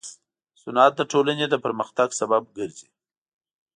صنعت د ټولنې د پرمختګ سبب ګرځي.